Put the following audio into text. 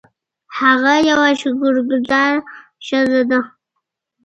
هغه یوه شکر ګذاره ښځه وه.